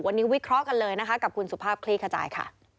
วันนี้วิเคราะห์กันเลยนะคะกับคุณสุภาพคลี่ขจายค่ะ